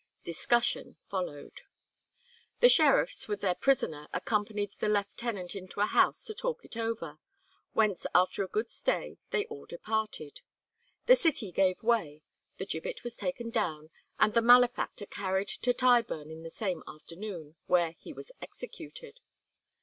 Discussion followed. The sheriffs with their prisoner accompanied the lieutenant into a house to talk it over, "whence after a good stay they all departed." The city gave way—the gibbet was taken down, and the malefactor carried to Tyburn in the same afternoon, where he was executed.